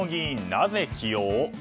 なぜ起用？